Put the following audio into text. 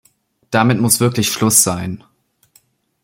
Damit muss wirklich Schluss sein.